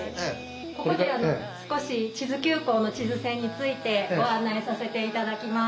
ここで少し智頭急行の智頭線についてご案内させて頂きます。